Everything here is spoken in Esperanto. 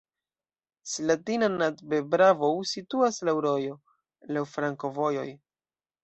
Slatina nad Bebravou situas laŭ rojo, laŭ flankovojoj.